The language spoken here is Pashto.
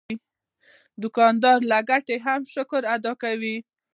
دوکاندار له ګټې هم شکر ادا کوي.